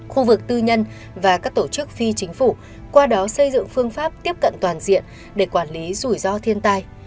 khu vực tư nhân và các tổ chức phi chính phủ qua đó xây dựng phương pháp tiếp cận toàn diện để quản lý rủi ro thiên tai